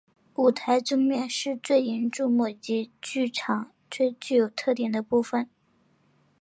舞台正面是最引人注目以及剧场最具有特点的部分。